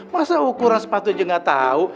masa ukuran sepatu aja nggak tahu